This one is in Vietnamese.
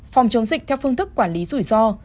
phòng chống dịch theo phương thức quản lý rủi ro